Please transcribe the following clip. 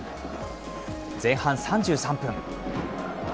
前半３３分。